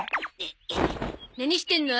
何してるの？